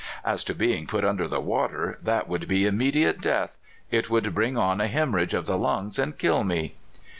As to being'put under the water, that would be immediate death ; it would bring on a hemorrhage of the lungs, and kill me."